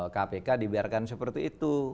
kpk dibiarkan seperti itu